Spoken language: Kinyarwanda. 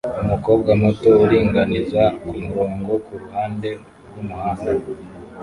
Umukobwa muto uringaniza kumurongo kuruhande rwumuhanda